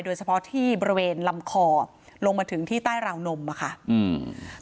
โดยเฉพาะที่บริเวณลำคอลงมาถึงที่ใต้ราวนมอ่ะค่ะอืม